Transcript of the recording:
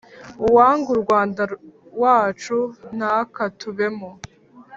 Uwanga u Rwanda wacu ntakatubemo